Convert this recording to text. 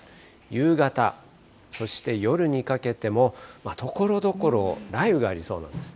夕方、そして夜にかけてもところどころ、雷雨がありそうなんです。